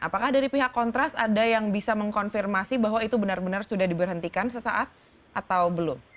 apakah dari pihak kontras ada yang bisa mengkonfirmasi bahwa itu benar benar sudah diberhentikan sesaat atau belum